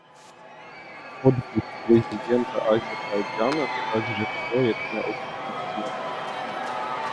Подпись президента Азербайджана также стоит на этих документах.